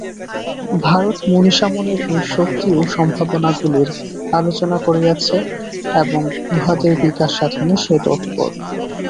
ভারত-মনীষা মনের এই শক্তি ও সম্ভাবনাগুলির আলোচনা করিয়াছে এবং উহাদের বিকাশসাধনে সে তৎপর।